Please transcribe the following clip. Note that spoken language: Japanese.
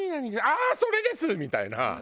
「ああー！それです」みたいな。